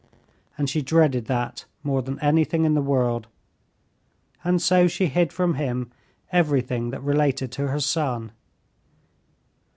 And she dreaded that more than anything in the world, and so she hid from him everything that related to her son.